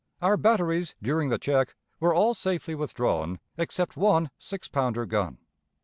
Our batteries during the check were all safely withdrawn except one six pounder gun.